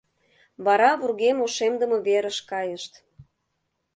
Вара вургем ошемдыме верыш кайышт.